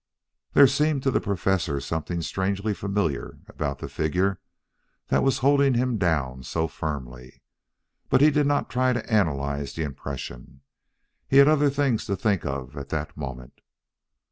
There seemed to the Professor something strangely familiar about the figure that was holding him down so firmly, but he did not try to analyze the impression. He had other things to think of at that moment.